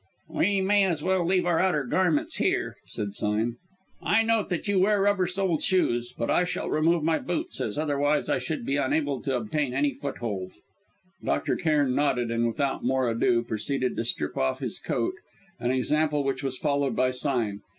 "We may as well leave our outer garments here," said Sime. "I note that you wear rubber soled shoes, but I shall remove my boots, as otherwise I should be unable to obtain any foothold." Dr. Cairn nodded, and without more ado proceeded to strip off his coat, an example which was followed by Sime.